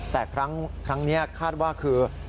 แต่ครั้งนี้คาดว่าคือ